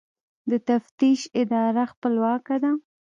د تفتیش اداره خپلواکه ده؟